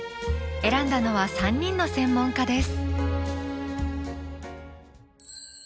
選んだのは３人の専門家です。